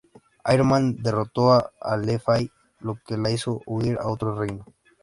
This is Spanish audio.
Iron Man derrotó a Le Fay lo que la hizo huir a otro reino.